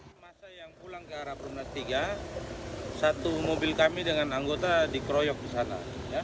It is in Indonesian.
masa yang pulang ke arah perumnas tiga satu mobil kami dengan anggota dikeroyok di sana